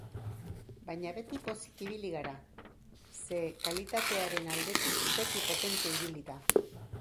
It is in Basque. Baina beti pozik ibili gara, ze kalitatearen aldetik beti potente ibili da.